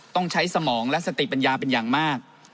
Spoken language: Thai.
ต้องใช้สมองและสติปัญญาเป็นอย่างมาก